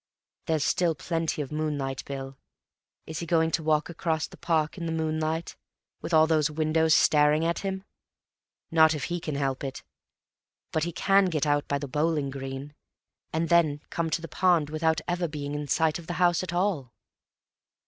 There's still plenty of moonlight, Bill. Is he going to walk across the park in the moonlight, with all those windows staring at him? Not if he can help it. But he can get out by the bowling green, and then come to the pond without ever being in sight of the house, at all."